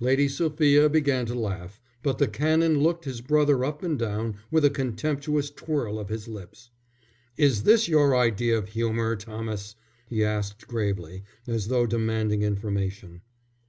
Lady Sophia began to laugh, but the Canon looked his brother up and down, with a contemptuous twirl of his lips. "Is this your idea of humour, Thomas?" he asked gravely, as though demanding information.